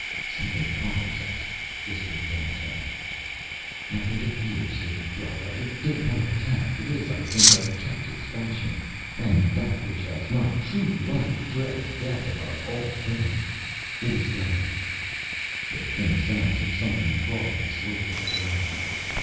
"Something follows us," whispered Dandtan. "Nothing to fear," stated Thrala. "It dare not attack. It is, I think, of Kepta's fashioning. And that which has not true life dreads death above all things. It is going " There came sounds of something crawling slowly away.